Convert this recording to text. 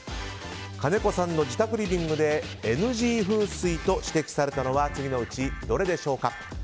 金子さんの自宅リビングでＮＧ風水と指摘されたのは次のうちどれでしょうか。